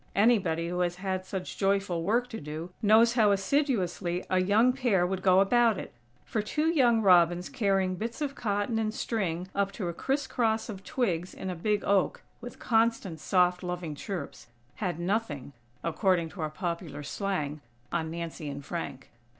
Anybody who has had such joyful work to do, knows how assiduously a young pair would go about it; for two young robins carrying bits of cotton and string up to a criss cross of twigs in a big oak, with constant soft, loving chirps, "had nothing," according to our popular slang, on Nancy and Frank.